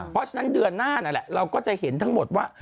เพราะฉะนั้นเดือนหน้านั่นแหละเราก็จะเห็นทั้งหมดว่า